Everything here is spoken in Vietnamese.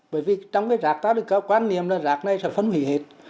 bởi vì trong cái rạc đó có quan niệm là rạc này sẽ phân hủy hết